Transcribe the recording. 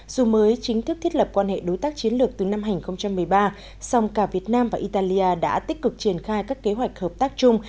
dù mới chính thức thiết lập quan hệ đối tác chiến lược từ năm hai nghìn một mươi ba song cả việt nam và italia đã tích cực triển khai các kế hoạch hợp tác chung